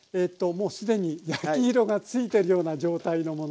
もう既に焼き色がついてるような状態のもの。